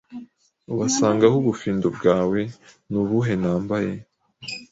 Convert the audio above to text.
Ubasanga he Ubufindo bwawe ni ubuhe Nambaye